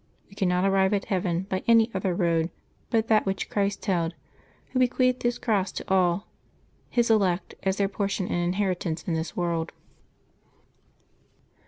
We cannot arrive at heaven by any other road but that which Christ held. Who bequeathed His cross to all His elect as their portion and inheritance in this world.